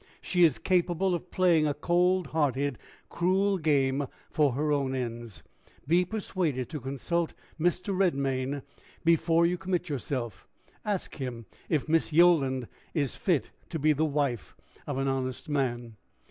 She is capable of playing a cold hearted, cruel game for her own ends. Be persuaded to consult Mr. Redmain before you commit yourself. Ask him if Miss Yolland is fit to be the wife of an honest man."